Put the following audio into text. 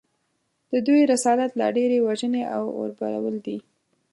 د دوی رسالت لا ډېرې وژنې او اوربلول دي